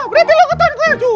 berarti lo ketonker juga dong